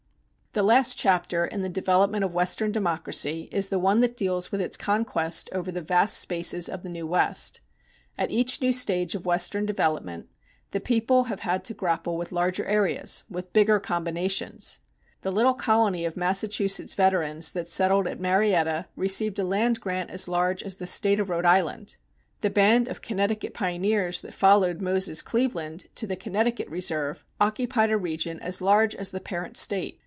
The last chapter in the development of Western democracy is the one that deals with its conquest over the vast spaces of the new West. At each new stage of Western development, the people have had to grapple with larger areas, with bigger combinations. The little colony of Massachusetts veterans that settled at Marietta received a land grant as large as the State of Rhode Island. The band of Connecticut pioneers that followed Moses Cleaveland to the Connecticut Reserve occupied a region as large as the parent State.